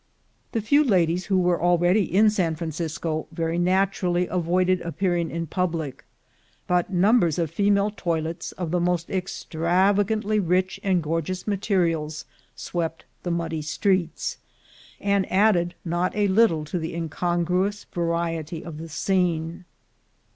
The few ladies who were already in San Francisco, very naturally avoided appearing in public; but num bers of female toilettes, of the most extravagantly rich and gorgeous materials, swept the muddy streets, and added not a little to the incongruous variety of the scene.